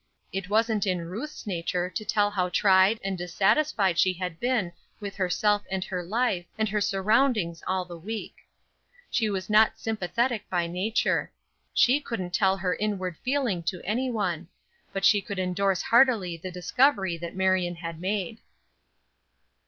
It wasn't in Ruth's nature to tell how tried, and dissatisfied she had been with herself and her life, and her surroundings all the week. She was not sympathetic by nature. She couldn't tell her inward feeling to any one; but she could indorse heartily the discovery that Marion had made.